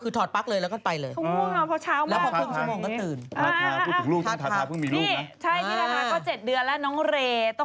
คือถอดปั๊กเลยแล้วก็ไปเลยพอเช้ามาแล้วพอครึ่งชั่วโมงก็ตื่นพอเช้ามาแล้วพอครึ่งชั่วโมงก็ตื่น